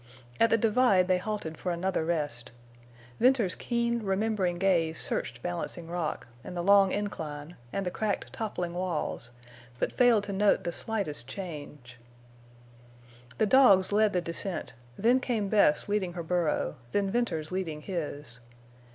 At the divide they halted for another rest. Venters's keen, remembering gaze searched Balancing Rock, and the long incline, and the cracked toppling walls, but failed to note the slightest change. The dogs led the descent; then came Bess leading her burro; then Venters leading his.